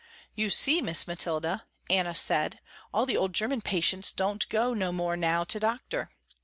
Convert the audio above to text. "You see, Miss Mathilda," Anna said, "All the old german patients don't go no more now to Doctor.